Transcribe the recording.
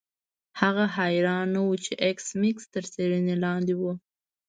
هغه حیران نه و چې ایس میکس تر څیړنې لاندې و